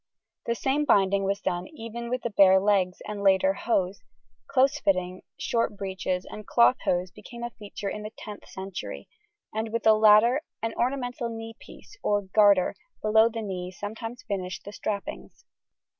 The same binding was done even with the bare legs and later hose: close fitting short breeches and cloth hose became a feature in the 10th century, and with the latter an ornamental knee piece or garter below the knee sometimes finished the strappings.